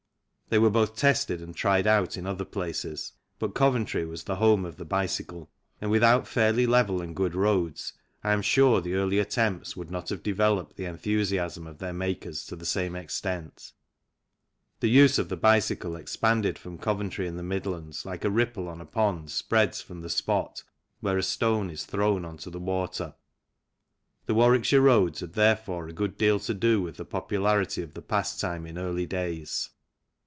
They were both tested and tried out in other places, but Coventry was the home of the bicycle, and without fairly level and good roads I am sure the early attempts would not have developed the enthusiasm of their makers to the same extent. The use of the bicycle expanded from Coventry and the Midlands like a ripple on a pond spreads from the spot where a stone is thrown into the water. The 76 ROADS IN GREAT BRITAIN 77 Warwickshire roads had therefore a good deal to do with the popularity of the pastime in early days.